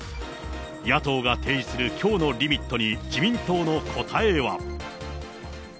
野党が提示するきょうのリミットに、自民党の答えは。